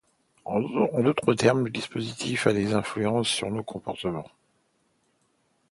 En d'autres termes, le dispositif a des influences sur nos comportements.